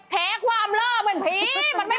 แผกวามล่าเหมือนผีมันไม่ผิด